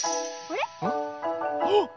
あっ！